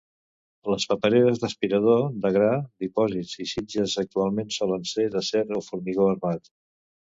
Les papereres d'aspirador de gra ,dipòsits i sitges actualment solen ser d'acer o formigó armat.